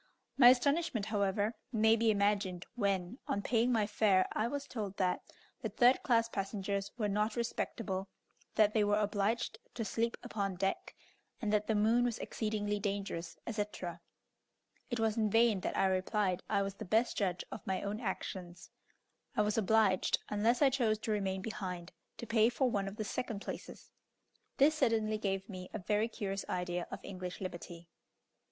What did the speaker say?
My astonishment, however, may be imagined when, on paying my fare, I was told that the third class passengers were not respectable, that they were obliged to sleep upon deck, and that the moon was exceedingly dangerous, etc. It was in vain that I replied I was the best judge of my own actions; I was obliged, unless I chose to remain behind, to pay for one of the second places. This certainly gave me a very curious idea of English liberty.